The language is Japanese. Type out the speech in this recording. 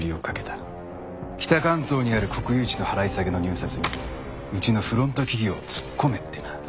北関東にある国有地の払い下げの入札にうちのフロント企業を突っ込めってな。